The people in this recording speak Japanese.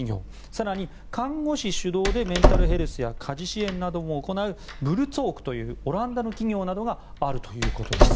更に看護師主導でメンタルヘルスや家事支援なども行うブルツォークというオランダの企業などがあるということです。